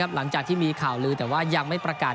หลังจากที่มีข่าวลือแต่ว่ายังไม่ประกาศ